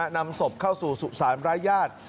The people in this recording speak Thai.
นำศพเข้าสู่สุสานรายญาติ